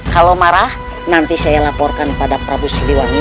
kalau marah nanti saya laporkan pada prabu siliwangi